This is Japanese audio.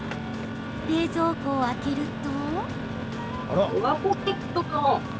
冷蔵庫を開けると。